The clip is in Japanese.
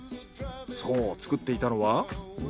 そう作っていたのは。